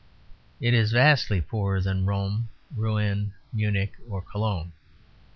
It is vastly poorer than Rome, Rouen, Munich, or Cologne.